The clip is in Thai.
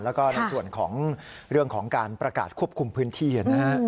แล้วก็ในส่วนของเรื่องของการประกาศควบคุมพื้นที่นะฮะ